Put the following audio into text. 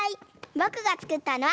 ぼくがつくったのはこれ！